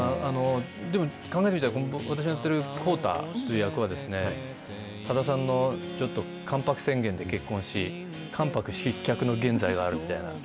でも考えてみたら私のやっている浩太という役は、さださんのちょっと関白宣言で結婚し、関白失脚の現在があるみたいな。